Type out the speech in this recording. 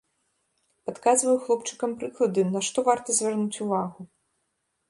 Падказваю хлопчыкам прыклады, на што варта звярнуць увагу.